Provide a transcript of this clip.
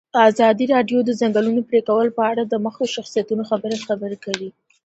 ازادي راډیو د د ځنګلونو پرېکول په اړه د مخکښو شخصیتونو خبرې خپرې کړي.